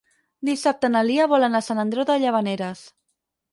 Dissabte na Lia vol anar a Sant Andreu de Llavaneres.